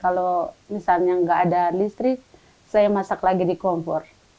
kalau misalnya nggak ada listrik saya masak lagi di kompor